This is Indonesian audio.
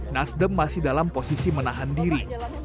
nasdem masih dalam posisi menahan diri